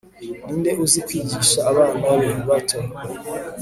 ninde uzi kwigisha abana be bato